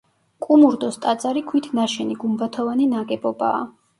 კუმურდოს ტაძარი ქვით ნაშენი, გუმბათოვანი ნაგებობაა.